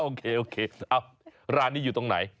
โอเคโอเคร้านนี้อยู่ตรงไหน